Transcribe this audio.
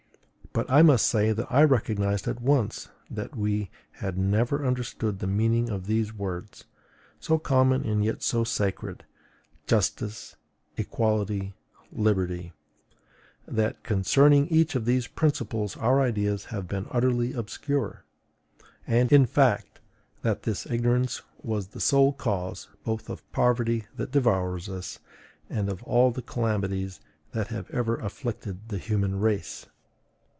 But I must say that I recognized at once that we had never understood the meaning of these words, so common and yet so sacred: JUSTICE, EQUITY, LIBERTY; that concerning each of these principles our ideas have been utterly obscure; and, in fact, that this ignorance was the sole cause, both of the poverty that devours us, and of all the calamities that have ever afflicted the human race.